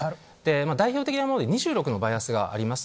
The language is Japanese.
代表的なもので２６のバイアスがあります。